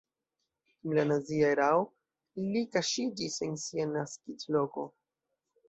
Dum la nazia erao li kaŝiĝis en sia naskiĝloko.